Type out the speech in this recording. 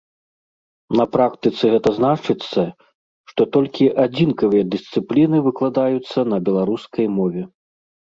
На практыцы гэта значыцца, што толькі адзінкавыя дысцыпліны выкладаюцца на беларускай мове.